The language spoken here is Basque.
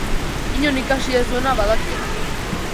Inon ikasi ez duena badakiela.